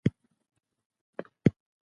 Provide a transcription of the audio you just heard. بې پرېتوب باور زياتوي.